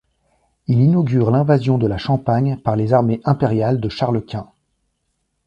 Il inaugure l'invasion de la Champagne par les armées impériales de Charles Quint.